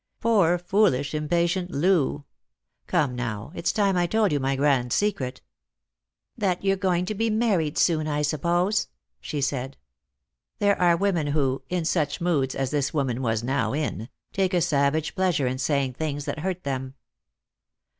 " Poor foolish, impatient Loo ! Come, now, it's time I told you my grand secret." " That you're going to be married soon, I suppose ?" she said. There are women who — in such moods as this woman was now in — take a savage pleasure in saying things that hurt them.